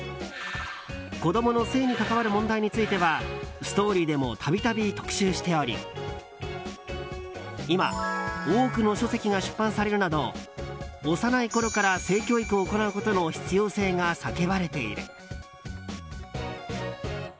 子供の性に関わる問題については「ＳＴＯＲＹ」でもたびたび特集しており今多くの書籍が出版されるなど幼いころから性教育を行うことの必要性が叫ばれている。